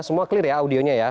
semua clear ya audionya ya